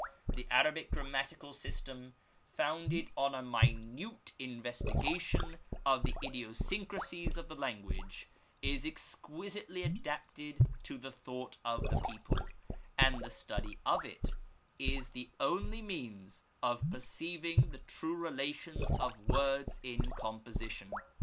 The Arabic grammatical system, founded on a minute investiga tion of the idiosyncracies of the language, is exquisitely adapted ) to the thought of the people ; and the study of it is the only j means of perceiving the true relations of words in composition.